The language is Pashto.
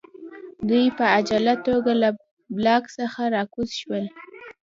دوی په عاجله توګه له بلاک څخه راکوز شول